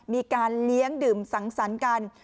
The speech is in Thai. มีการเลี้ยงดื่มสังสรรค์กัน